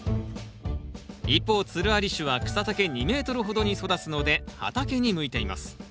一方つるあり種は草丈２ｍほどに育つので畑に向いています。